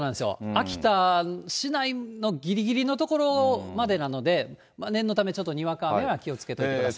秋田市内のぎりぎりの所までなので、念のため、ちょっとにわか雨には気をつけてください。